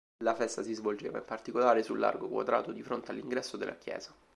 La festa si svolgeva in particolare sul largo quadrato di fronte all'ingresso della chiesa.